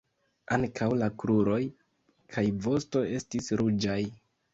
Ankaŭ la kruroj kaj vosto estis ruĝaj.